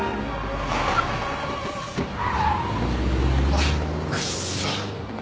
あっクソ！